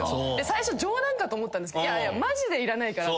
最初冗談かと思ったんですけど「マジでいらないから」